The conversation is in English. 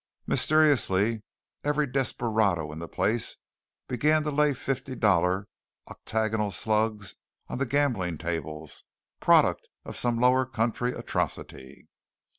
Mysteriously every desperado in the place began to lay fifty dollar octagonal slugs on the gaming tables, product of some lower country atrocity.